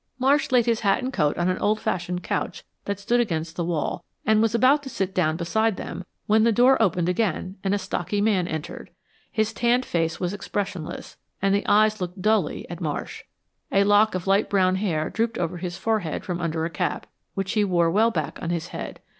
Marsh laid his hat and coat on an old fashioned couch that stood against the wall, and was about to sit down beside them, when the door opened again and a stocky man entered. His tanned face was expressionless, and the eyes looked dully at Marsh. A lock of light brown hair drooped over his forehead from under a cap, which he wore well back on his head.